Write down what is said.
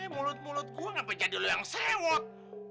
mulut mulut gue kenapa jadi lo yang sewot